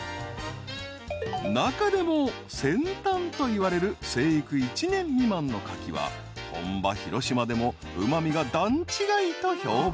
［中でも先端といわれる生育１年未満のかきは本場広島でもうま味が段違いと評判］